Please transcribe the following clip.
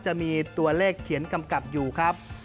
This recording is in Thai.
จะมีตัวเลขเขียนกำกับอยู่ครับ